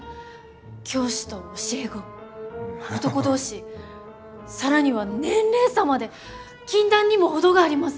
教師と教え子男同士更には年齢差まで禁断にも程があります！